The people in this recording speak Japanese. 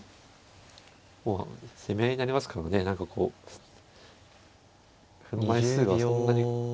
もう攻め合いになりますからね何かこう歩の枚数はそんなに。